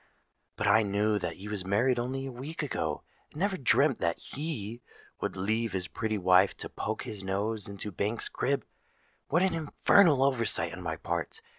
But I knew that he was married only a week ago, and never dreamt that he would leave his pretty wife to poke his nose into Banks's crib. What an infernal oversight on my part!